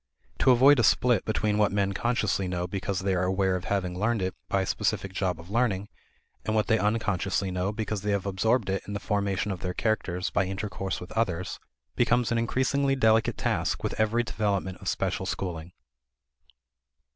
To avoid a split between what men consciously know because they are aware of having learned it by a specific job of learning, and what they unconsciously know because they have absorbed it in the formation of their characters by intercourse with others, becomes an increasingly delicate task with every development of special schooling.